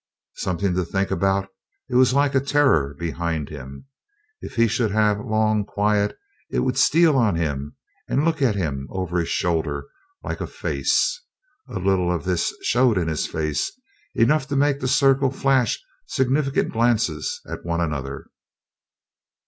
Something to think about! It was like a terror behind him. If he should have long quiet it would steal on him and look at him over his shoulder like a face. A little of this showed in his face; enough to make the circle flash significant glances at one another.